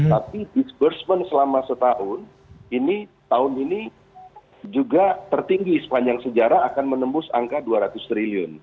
tapi disbursement selama setahun ini tahun ini juga tertinggi sepanjang sejarah akan menembus angka dua ratus triliun